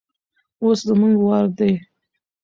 اوس زموږ وار دی.